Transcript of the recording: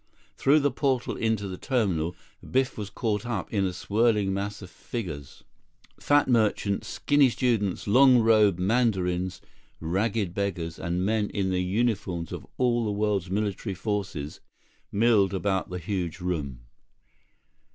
Through the portal into the terminal, Biff was caught up in a swirling mass of figures. Fat merchants, skinny students, long robed mandarins, ragged beggars, and men in the uniforms of all the world's military forces milled about the huge room.